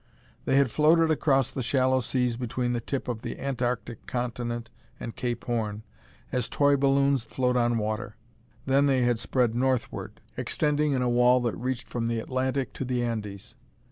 They had floated across the shallow seas between the tip of the Antarctic Continent and Cape Horn, as toy balloons float on water. Then they had spread northward, extending in a wall that reached from the Atlantic to the Andes.